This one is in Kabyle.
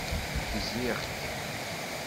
Gziɣ-k.